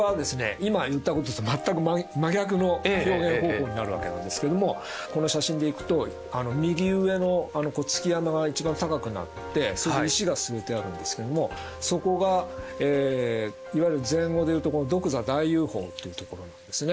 今言ったことと全く真逆の表現方法になるわけなんですけどもこの写真でいくと右上の築山が一番高くなってそれで石が据えてあるんですけどもそこがいわゆる禅語で言うとこの「独坐大雄峰」っていうところなんですね。